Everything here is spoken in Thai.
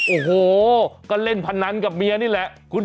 โอ้โหก็เล่นพนันกับเมียนี่แหละ